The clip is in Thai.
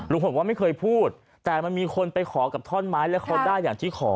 บอกว่าไม่เคยพูดแต่มันมีคนไปขอกับท่อนไม้แล้วเขาได้อย่างที่ขอ